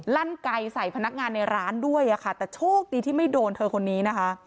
ลั่นไก่ใส่พนักงานในร้านด้วยอะค่ะแต่โชคดีที่ไม่โดนเธอคนนี้นะคะ